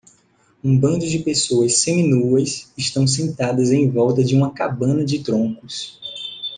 Um bando de pessoas seminuas estão sentadas em volta de uma cabana de troncos